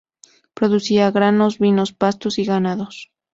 Producía granos, vinos pastos y ganados.